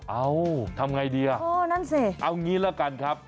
เอ้าทำอย่างไรดีเอาอย่างนี้แล้วกันครับ